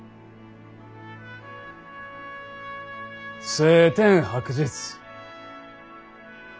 青天白日。